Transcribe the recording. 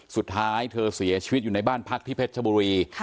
สุดท้ายเธอเสียชีวิตอยู่ในบ้านพักที่เพชรชบุรี